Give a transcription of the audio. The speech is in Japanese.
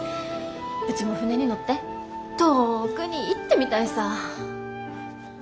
うちも船に乗って遠くに行ってみたいさ。